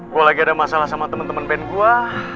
gue lagi ada masalah sama temen temen band gue